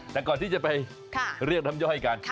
แต่ก่อนที่จะไปเรียกน้ำย่อยกัน